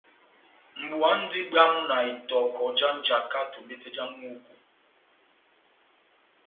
Mʼbuwa múndi bwámu na itɔkɔ já njaka tombete na ŋʼhúku,